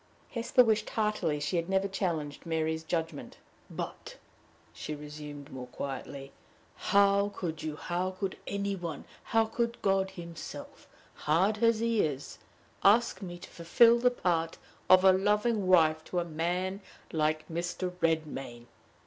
Hesper wished heartily she had never challenged Mary's judgment. "But," she resumed, more quietly, "how could you, how could any one, how could God himself, hard as he is, ask me to fulfill the part of a loving wife to a man like Mr. Redmain?